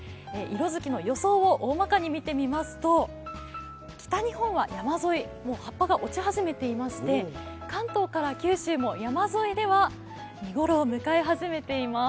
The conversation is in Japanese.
色づきの予想をおおまかに見てみますと、北日本は山沿い、葉っぱが落ち始めていまして関東から九州も山沿いでは見頃を迎え始めています。